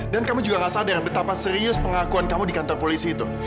dan kamu juga gak sadar betapa serius pengakuan kamu di kantor polisi itu